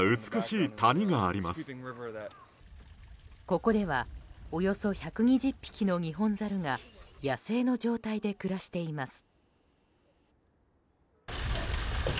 ここではおよそ１２０匹のニホンザルが野生の状態で暮らしています。